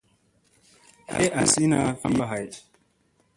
Tle asina vii yamba hay.